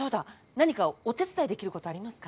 何かお手伝いできることありますか？